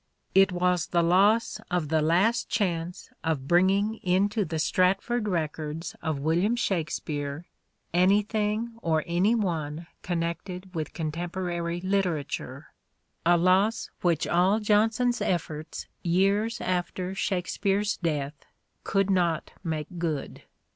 It was the loss of the last chance of bringing into the Stratford records of William Shakspere anything or any one connected with contemporary literature : a loss which all Jonson's efforts years after Shakspere's death could not make good.